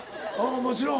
もちろん。